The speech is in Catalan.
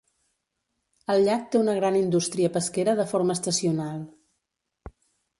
El llac té una gran indústria pesquera de forma estacional.